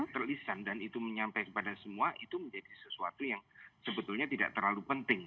terlisan dan itu menyampaikan kepada semua itu menjadi sesuatu yang sebetulnya tidak terlalu penting